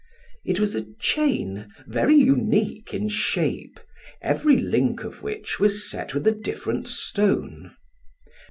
It was a chain, very unique in shape, every link of which was set with a different stone.